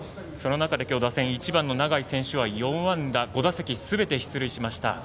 その中できょう打線１番の永井選手は４安打５打席すべて出塁しました。